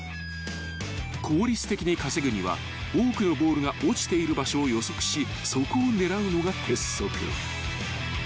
［効率的に稼ぐには多くのボールが落ちている場所を予測しそこを狙うのが鉄則］